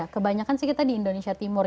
kebanyakan sih kita di indonesia timur